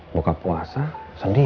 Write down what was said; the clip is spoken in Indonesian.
aku bingung kalau kayak begini sendirian